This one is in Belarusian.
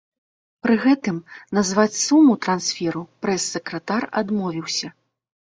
Пры гэтым назваць суму трансферу прэс-сакратар адмовіўся.